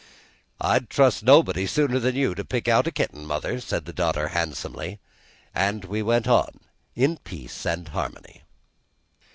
"I'd trust nobody sooner'n you to pick out a kitten, mother," said the daughter handsomely, and we went on in peace and harmony.